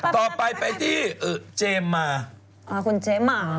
ต่อไปตอนเจเม่า